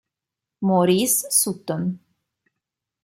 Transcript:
Maurice Sutton